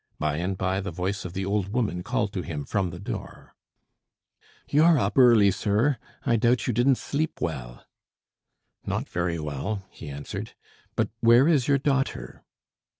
By and by the voice of the old woman called to him from the door. "You're up early, sir. I doubt you didn't sleep well." "Not very well," he answered. "But where is your daughter?"